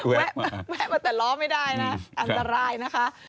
แวะมาแต่ล้อไม่ได้นะอันตรายนะคะ